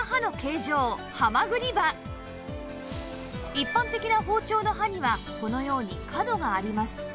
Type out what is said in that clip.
一般的な包丁の刃にはこのように角があります